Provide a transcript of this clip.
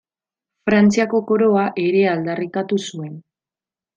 Frantziako koroa ere aldarrikatu zuen.